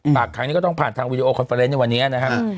ครั้งนี้ก็ต้องผ่านทางวีดีโอคอนเฟอร์เนสในวันนี้นะครับ